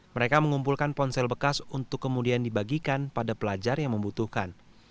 mereka mengumpulkan ponsel bekas untuk kemudian dibagikan pada pelajar yang membutuhkan